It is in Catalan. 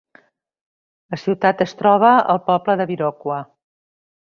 La ciutat es troba al poble de Viroqua.